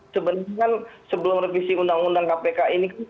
sebenarnya kan sebelum revisi undang undang kpk ini kan